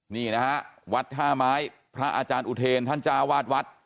นี่นะฮะวัดท่าไม้พระอาจารย์อุเทรนท่านจ้าวาดวัด